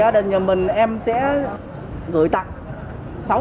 để nhờ mình em sẽ gửi tặng